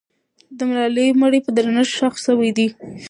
د ملالۍ مړی په درنښت ښخ سوی دی.